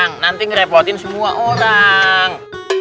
nanti ngerepotin semua orang